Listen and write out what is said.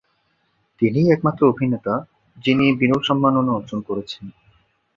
তিনিই একমাত্র অভিনেতা, যিনি এই বিরল সম্মাননা অর্জন করেছেন।